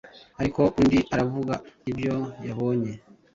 Ariko undi aravuga ibyo yabonye